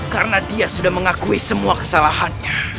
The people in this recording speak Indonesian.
karena dia sudah mengakui semua kesalahan